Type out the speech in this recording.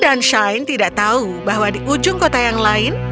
dan shine tidak tahu bahwa di ujung kota yang lain